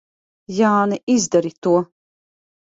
Jāni, izdari to!